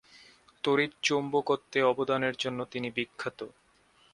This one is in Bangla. তাড়িৎ-চৌম্বকত্বে অবদানের জন্য তিনি বিখ্যাত।